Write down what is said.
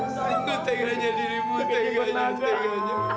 tengah tengahnya dirimu tengahnya tengahnya